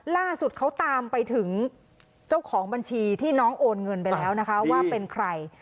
ล่าสุดเขาตามไปถึงเจ้าของบัญชีที่น้องโอนเงินไปแล้วนะคะว่าเป็นใคร